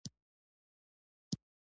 د مغزونو تیښته بله ستونزه ده.